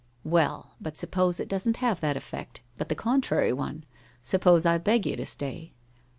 ' Well, but suppose it doesn't have that effect, but the contrary one ? Suppose I beg you to stay